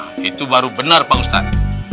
oh itu baru benar pak ustadz